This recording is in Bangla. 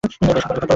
বেশ, হয়তো কোনোদিন।